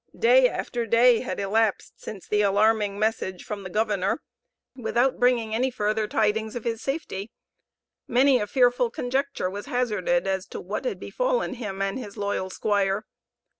Day after day had elapsed since the alarming message from the governor without bringing any further tidings of his safety. Many a fearful conjecture was hazarded as to what had befallen him and his loyal squire.